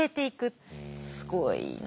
すごいな。